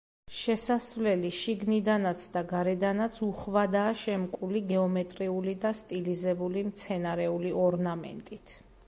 შესასვლელი შიგნიდანაც და გარედანაც უხვადაა შემკული გეომეტრიული და სტილიზებული მცენარეული ორნამენტით.